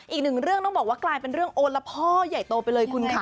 อีกหนึ่งเรื่องต้องบอกว่ากลายเป็นเรื่องโอละพ่อใหญ่โตไปเลยคุณค่ะ